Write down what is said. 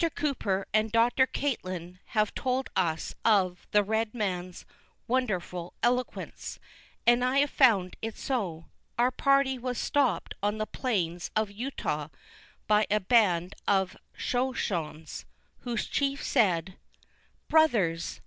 Cooper and Dr. Catlin have told us of the red man's wonderful eloquence, and I found it so. Our party was stopt on the plains of Utah by a band of Shoshones, whose chief said: "Brothers!